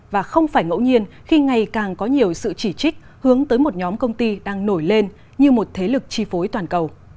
và không phải ngẫu nhiên khi ngày càng có nhiều sự chỉ trích hướng tới một nhóm công ty đang nổi lên như một thế lực chi phối toàn cầu